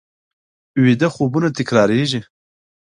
ویده خوبونه تکرارېږي